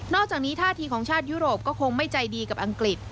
อกจากนี้ท่าทีของชาติยุโรปก็คงไม่ใจดีกับอังกฤษ